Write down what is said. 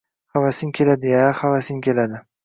Havasing keladi-ya, havasing keladi